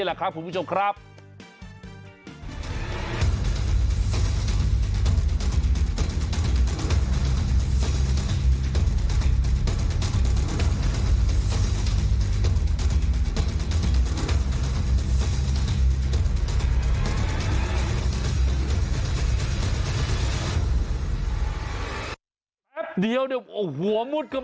แล้วใช่ไหม